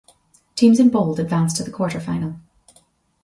Teams in bold advanced to the quarter final.